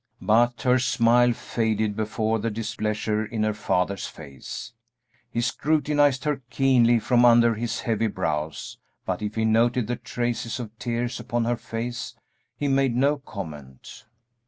But her smile faded before the displeasure in her father's face. He scrutinized her keenly from under his heavy brows, but if he noted the traces of tears upon her face, he made no comment.